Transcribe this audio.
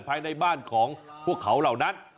ภายในบ้านของพวกเขาเหล่านั้น